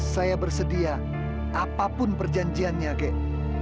saya bersedia apapun perjanjiannya gen